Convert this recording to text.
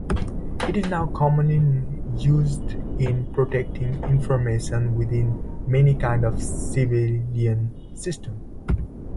It is now commonly used in protecting information within many kinds of civilian systems.